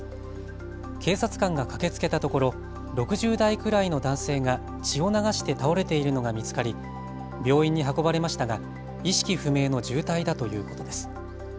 警察官が駆けつけたところ６０代くらいの男性が血を流して倒れているのが見つかり病院に運ばれましたが意識不明の重体だということです。